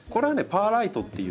パーライトっていうね